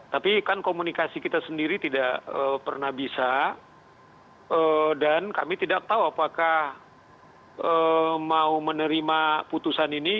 tapi kan komunikasi kita sendiri tidak pernah bisa dan kami tidak tahu apakah mau menerima putusan ini